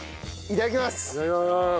いただきます。